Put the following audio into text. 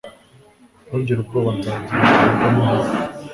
Ntugire ubwoba Nzagera mu rugo amahoro